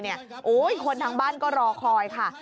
คนทางบ้านก็รอคอยค่ะ